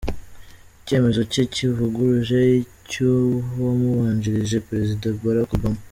Icyemezo cye kivuguruje icy'uwamubanjirije, perezida Barack Obama.